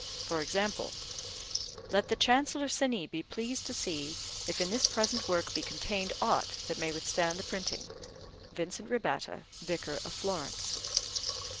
For example: Let the Chancellor Cini be pleased to see if in this present work be contained aught that may withstand the printing. VINCENT RABBATTA, Vicar of Florence.